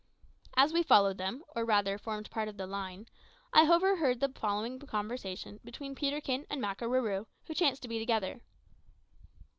As we followed them, or rather formed part of the line, I overheard the following conversation between Peterkin and Makarooroo, who chanced to be together.